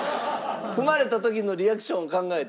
踏まれた時のリアクションを考えて？